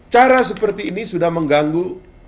cara seperti ini sudah mengganggu